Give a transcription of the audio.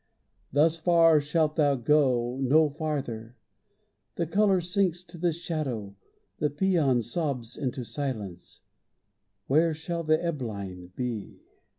Thus far shalt thou go, no farther. The color sinks to the shadow, The pæan sobs into silence, Where shall the ebb line be?